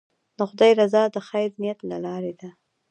د خدای رضا د خیر نیت له لارې ده.